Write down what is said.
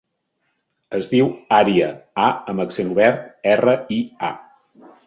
Es diu Ària: a amb accent obert, erra, i, a.